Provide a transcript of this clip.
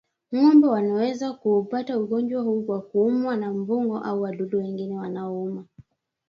Ng'ombe wanaweza kuupata ugonjwa huu kwa kuumwa na mbung'o au wadudu wengine wanaouma